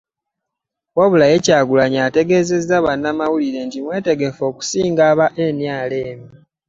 Wabula ye Kyagulanyi ategeezezza bannamawulire nti mwetegefu n'okusinga aba NRM